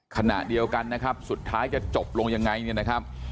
ขณะเดียวกันนะครับสุดท้ายจะจบลงยังไงเนี่ยนะครับ